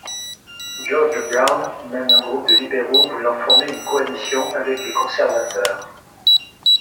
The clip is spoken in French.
George Brown mène un groupe de libéraux voulant former une coalition avec les conservateurs.